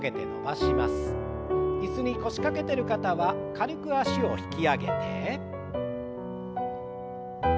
椅子に腰掛けてる方は軽く脚を引き上げて。